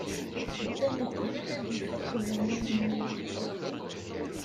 Ddan uqbel ad ifak uhanay-nni.